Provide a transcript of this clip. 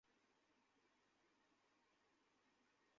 সে সবসময় এরকম করে না।